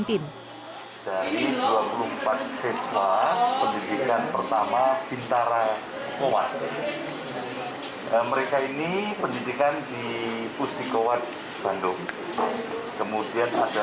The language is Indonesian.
siswa pendidikan pertama pintara kuat mereka ini pendidikan di pustikowat bandung kemudian ada